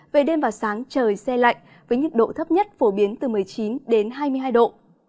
về đêm và sáng trời xe lạnh với nhiệt độ thấp nhất phổ biến từ một mươi chín đến hai mươi hai độ